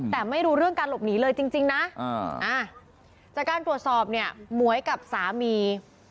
แต่ไม่รู้เรื่องการหลบหนีเลยจริงนะจากการตรวจสอบเนี่ยหมวยกับสามี